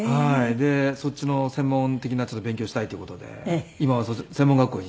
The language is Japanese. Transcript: でそっちの専門的な勉強をしたいという事で今は専門学校に。